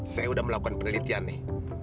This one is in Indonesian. saya sudah melakukan penelitian nih